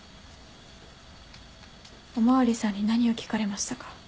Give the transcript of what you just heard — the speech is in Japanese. お巡りさんに何を聞かれましたか？